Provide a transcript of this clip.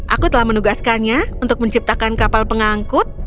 aku telah menugaskannya untuk menciptakan kapal pengangkut